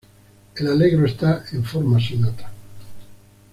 El Allegro está en forma sonata.